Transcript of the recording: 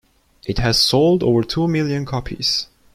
It has sold over two million copies.